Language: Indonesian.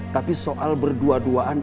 tapi soal berdua duaan